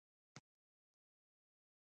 د پروفيسر سره د پېژندګلوي ټوله کيسه يې وکړه.